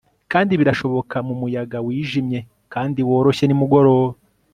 Kandi birashoboka mumuyaga wijimye kandi woroshye nimugoroba